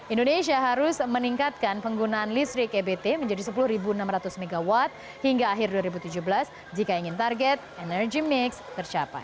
indonesia harus meningkatkan penggunaan listrik ebt menjadi sepuluh enam ratus mw hingga akhir dua ribu tujuh belas jika ingin target energy mix tercapai